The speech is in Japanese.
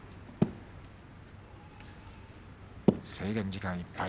制限時間いっぱい。